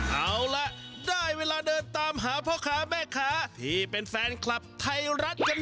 เอาล่ะได้เวลาเดินตามหาพ่อค้าแม่ค้าที่เป็นแฟนคลับไทยรัฐกัน